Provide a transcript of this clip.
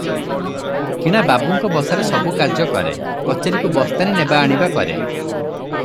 କିଣା ବାବୁଙ୍କ ବସାରେ ସବୁ କାର୍ଯ୍ୟ କରେ, କଚେରିକୁ ବସ୍ତାନି ନେବା ଆଣିବା କରେ ।